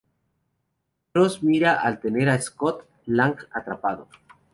Cross mira al tener a Scott Lang atrapado.